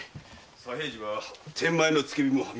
左平次は天満屋の付け火も認めたのか？